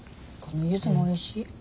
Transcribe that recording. このユズもおいしい。